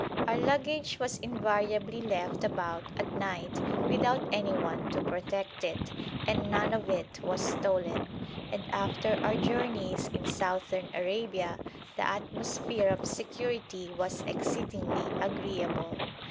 Our luggage was invariably left about at night without anyone to protect it, and none of it was stolen, and after our journeys in Southern Arabia the atmosphere of security was exceedingly agreeable.